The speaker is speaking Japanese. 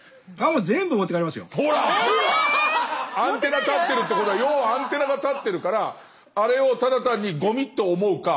アンテナ立ってるってことは要はアンテナが立ってるからあれをただ単にゴミと思うか